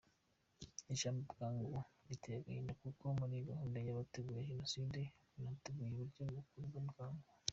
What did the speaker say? Ijambo bwangu riteye agahinda, kuko muri gahunda y’abateguye jenoside banateguye uburyo yakorwa bwangu.